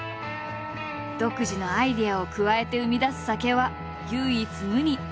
独自のアイデアを加えて生み出す酒は唯一無二。